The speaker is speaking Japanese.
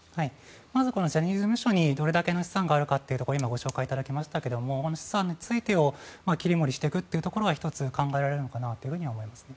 まずこのジャニーズ事務所にどれだけの資産があるかというところ今、ご紹介いただきましたが資産についてを切り盛りしていくというところが１つ考えられるのかなと思います。